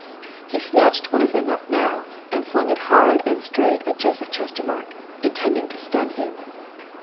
He snatched one of them up now, and flung it hard and straight at Joseph Chestermarke, intending to stun him.